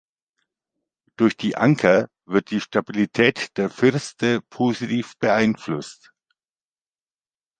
Durch die Anker wird die Stabilität der Firste positiv beeinflusst.